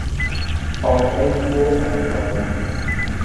Ok en tuo mar corona?